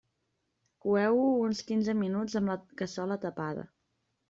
Coeu-ho uns quinze minuts amb la cassola tapada.